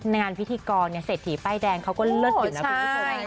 งานพิธีกรเศรษฐีป้ายแดงเขาก็เลิศอยู่นะคุณผู้ชม